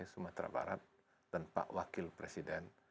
sumatera barat dan pak wakil presiden